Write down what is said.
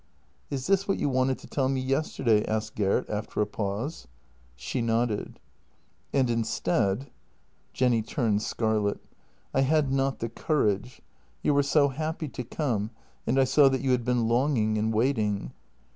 " Is this what you wanted to tell me yesterday? " asked Gert after a pause. She nodded. " And instead. ..." Jenny turned scarlet. " I had not the courage. You were so happy to come, and I saw that you had been longing and waiting."